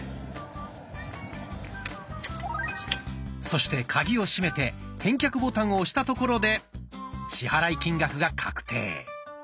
そしてカギを閉めて返却ボタンを押したところで支払い金額が確定。